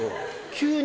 急に。